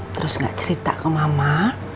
terus gak cerita ke mama